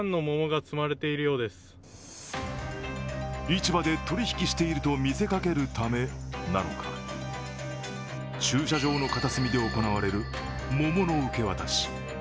市場取り引きしていると見せかけるためなのか駐車場の片隅で行われる桃の受け渡し。